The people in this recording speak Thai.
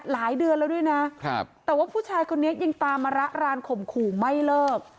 หลายเดือนแล้วด้วยนะครับแต่ว่าผู้ชายคนนี้ยังตามมาระรานข่มขู่ไม่เลิก